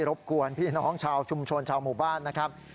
ยกมือขอโทษจากใจที่รบกวนพี่น้องชาวชุมชนชาวหมู่บ้านนะครับ